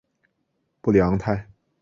布里昂泰。